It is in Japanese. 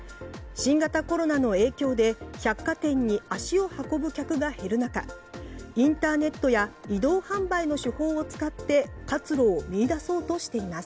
新型コロナの影響で百貨店に足を運ぶ客が減る中インターネットや移動販売の手法を使って活路を見いだそうとしています。